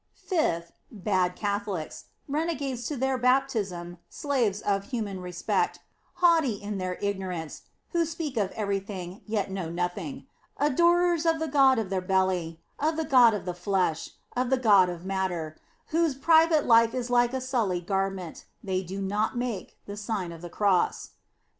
Fifth, bad Catholics, renegades to their baptism, slaves of human respect, haughty in 5* 54 The Sign of the Cross their ignorance, who speak of everything, yet know nothing; adorers of the god of their belly, of the god of the flesh, of the god of matter; whose private life is like a sullied garment they do not make the Sign of the Cross.